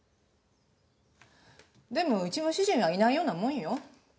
でもうちも主人はいないようなもんよ。